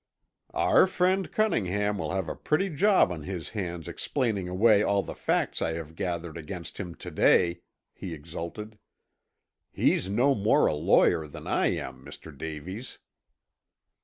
"Our friend Cunningham will have a pretty job on his hands explaining away all the facts I have gathered against him to day," he exulted. "He's no more a lawyer than I am, Mr. Davies!"